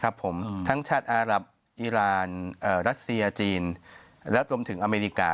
ครับผมทั้งชาติอารับอีรานรัสเซียจีนและรวมถึงอเมริกา